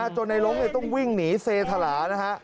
จนในหลงต้องวิ่งหนีเซธรา